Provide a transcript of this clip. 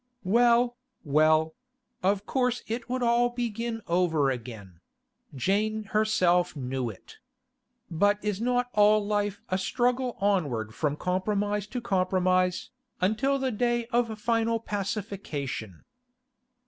Well, well; of course it would all begin over again; Jane herself knew it. But is not all life a struggle onward from compromise to compromise, until the day of final pacification?